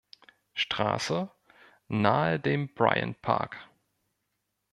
Straße, nahe dem Bryant Park.